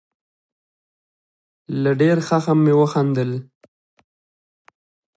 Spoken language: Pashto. له ډېر خښم مې وخندل.